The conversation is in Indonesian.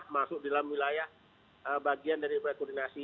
masuk dalam wilayah bagian dari koordinasi